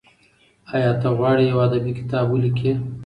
ایا ته غواړې یو ادبي کتاب ولیکې؟